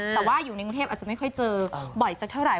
แต่ว่าอยู่ในกรุงเทพอาจจะไม่ค่อยเจอบ่อยสักเท่าไห